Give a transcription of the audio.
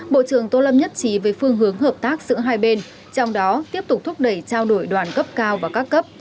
bộ trưởng tô lâm nhất trí về phương hướng hợp tác giữa hai bên trong đó tiếp tục thúc đẩy trao đổi đoàn cấp cao và các cấp